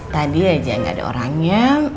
tadi aja gak ada orangnya